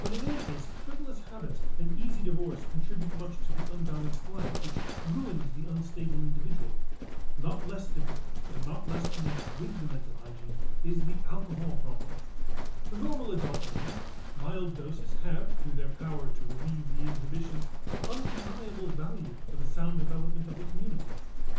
But in any case frivolous habits and easy divorce contribute much to the unbalanced life which ruins the unstable individual. Not less difficult and not less connected with the mental hygiene is the alcohol problem. For normal adult men mild doses have through their power to relieve the inhibitions undeniable value for the sound development of the community.